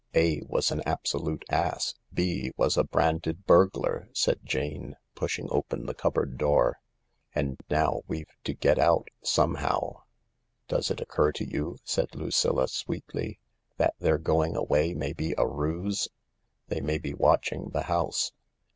"»" A was an absolute ass, B was a branded burglar," said Jane, pushing open the cupboard door. "And now we've to get out somehow." "Does it occur to you," said Lucilla sweetly, "that their going away may be a ruse ? They may be watching the house."